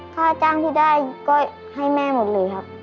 ค่าจ้างที่ได้ก็ให้แม่หมดเลยครับ